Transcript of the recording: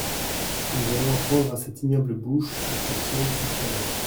Nous allons apprendre à cette ignoble bouche à toucher certains noms…